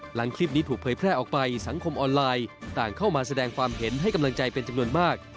หลังคลิปนี้ถูกเผยแพร่ออกไปสังคมออนไลน์ต่างเข้ามาแสดงความเห็นให้กำลังใจเป็นจำนวนมาก